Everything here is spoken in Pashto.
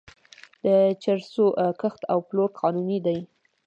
د چرسو کښت او پلور قانوني دی.